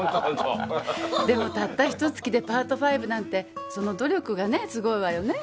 でもたったひと月でパート５なんてその努力がすごいわよね？